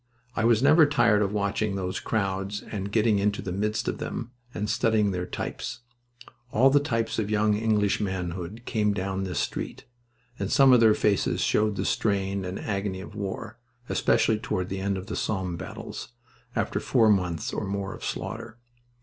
I was never tired of watching those crowds and getting into the midst of them, and studying their types. All the types of young English manhood came down this street, and some of their faces showed the strain and agony of war, especially toward the end of the Somme battles, after four months or more of slaughter.